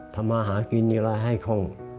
ทำหากินเวลาให้คง